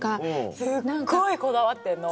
すっごいこだわってんの。